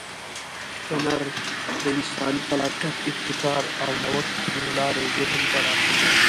هنر د انساني خلاقیت، ابتکار او نوښت له لارې ذهن پراخوي.